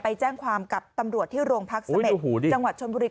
ไปแจ้งความกับตำรวจที่โรงพักเสม็จจังหวัดชนบุรี